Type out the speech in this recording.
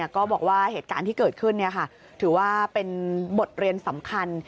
ก็บอกว่าเหตุการณ์ที่เกิดขึ้นถือว่าเป็นบทเรียนสำคัญ